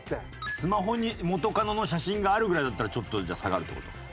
スマホに元カノの写真があるぐらいだったらちょっとじゃあ下がるって事？